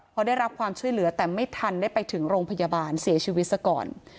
พอได้รับความช่วยเหลือแต่ไม่ทันได้ไปถึงโรงพยาบาลเสียชีวิตซะก่อน